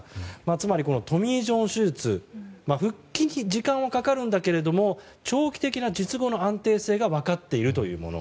つまりトミー・ジョン手術復帰に時間はかかるんだけども長期的な術後の安定性が分かっているというもの。